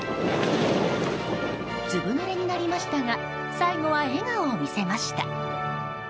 ずぶぬれになりましたが最後は笑顔を見せました。